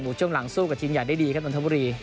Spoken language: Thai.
ช่วงหลังสู้กับทีมใหญ่ได้ดีครับนนทบุรี